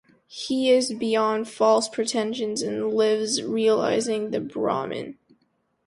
He is beyond false pretensions and lives realizing the Brahman.